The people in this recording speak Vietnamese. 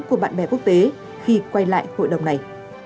của bạn bè quốc tế khi quay lại hội đồng này